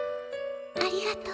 ありがとう。